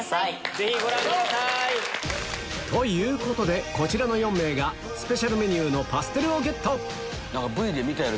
ぜひご覧ください。ということでこちらの４名がスペシャルメニューをゲット！